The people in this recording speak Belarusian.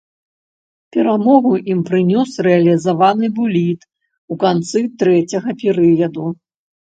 Перамогу ім прынёс рэалізаваны буліт у канцы трэцяга перыяду.